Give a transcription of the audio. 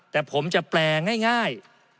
แต่ผมจะแปลง่าย